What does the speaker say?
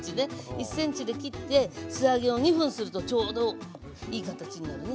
１ｃｍで切って素揚げを２分するとちょうどいい形になるのね。